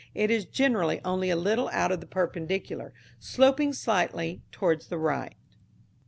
It is generally only a little out of the perpendicular, sloping slightly towards the right.